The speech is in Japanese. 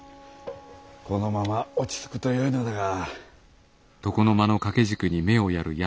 このまま落ち着くとよいのだが。